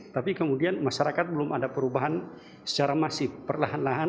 tapi kemudian masyarakat belum ada perubahan secara masif perlahan lahan